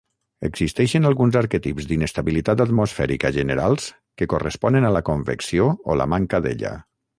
Existeixen alguns arquetips d'inestabilitat atmosfèrica generals que corresponen a la convecció o la manca d'ella.